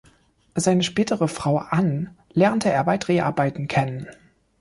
Seine spätere Frau Ann lernte er bei Dreharbeiten kennen.